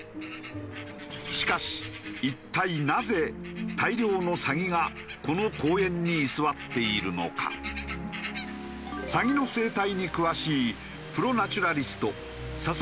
しかし一体なぜ大量のサギがこの公園に居座っているのか？と共に現地調査を行った。